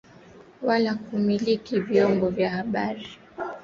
wala kumiliki vyombo vya Habari ili kuhakikisha kwamba